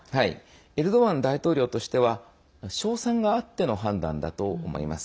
エルドアン大統領としては勝算があっての判断だと思います。